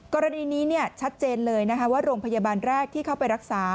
กรณีนี้ชัดเจนเลยว่าโรงพยาบาลแรกที่เข้าไปรักษา